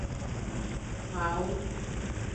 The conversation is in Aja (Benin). Mawu.